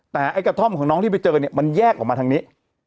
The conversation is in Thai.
แต่ไอ้กระท่อมของน้องที่ไปเจอเนี่ยมันแยกออกมาทางนี้